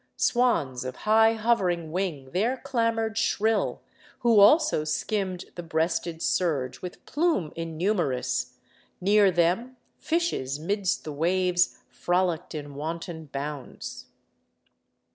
Swans of high hovering wing there clamour'd shrill, Who also skimm'd the breasted surge with plume Innumerous; near them fishes midst the waves Frolick'd in wanton bounds.